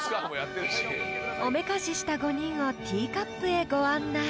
［おめかしした５人をティーカップへご案内］